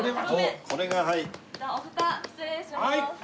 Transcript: じゃあおフタ失礼します。